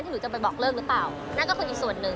หนูจะไปบอกเลิกหรือเปล่านั่นก็คืออีกส่วนหนึ่ง